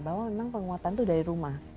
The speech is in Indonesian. bahwa memang penguatan itu dari rumah